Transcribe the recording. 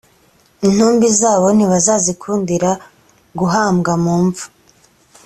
intumbi zabo ntibazazikundira guhambwa mu mva